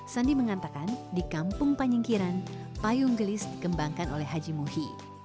sandi mengatakan di kampung panyingkiran payung gelis dikembangkan oleh haji muhi